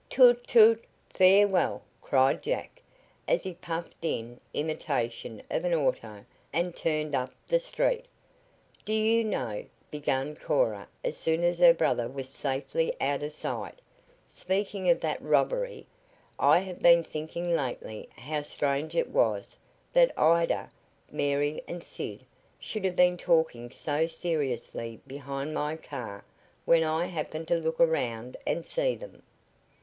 "Toot toot! Farewell!" cried Jack, as he puffed in imitation of an auto and turned up the street. "Do you know," began Cora as soon as her brother was safely out of sight, "speaking of that robbery, I have been thinking lately how strange it was that Ida, Mary and Sid should have been talking so seriously behind my car when I happened to look around and see them.